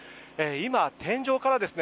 今、天井からですね